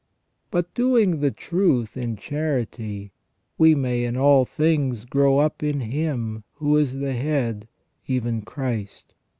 But doing the truth in charity, we may in all things grow up in Him who is the head, even Christ.